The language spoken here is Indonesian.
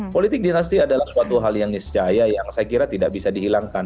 politik dinasti adalah suatu hal yang niscaya yang saya kira tidak bisa dihilangkan